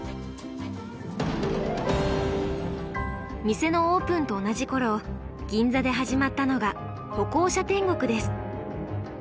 店のオープンと同じ頃銀座で始まったのが歩行者天国です。